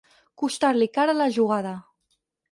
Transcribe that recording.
Costar-li cara la jugada.